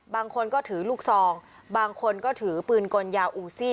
บางคนก็ถือลูกซองบางคนก็ถือปืนกลยาวอูซี่